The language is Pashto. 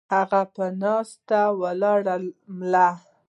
هغه پۀ ناسته ولاړه ملا